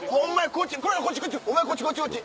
こっちこれお前こっちこっちこっち！